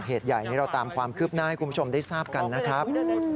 เหตุใหญ่นี้เราตามความคืบหน้าให้คุณผู้ชมได้ทราบกันนะครับ